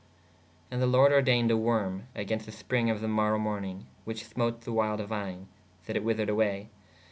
¶ And the lorde ordeyned a worme agenst the springe of [the] morow mornīge which smote the wild vine/ that it wethered awaye.